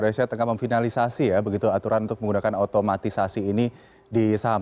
indonesia sedang memfinalisasi aturan untuk menggunakan otomatisasi ini di saham